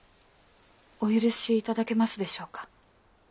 お許しいただけますでしょうか？